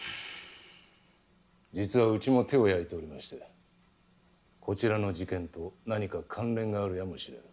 実はうちも手を焼いておりましてこちらの事件と何か関連があるやもしれん。